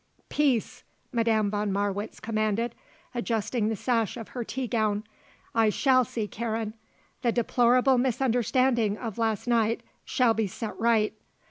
"Peace!" Madame von Marwitz commanded, adjusting the sash of her tea gown. "I shall see Karen. The deplorable misunderstanding of last night shall be set right.